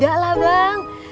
ya enggak lah bang